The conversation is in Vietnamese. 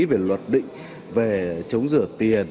về luật định về chống rửa tiền